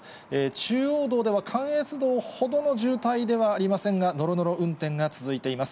中央道では関越道ほどの渋滞ではありませんが、のろのろ運転が続いています。